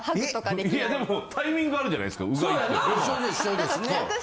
でもタイミングあるじゃないですかうがいって。